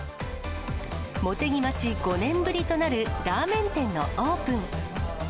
茂木町５年ぶりとなるラーメン店のオープン。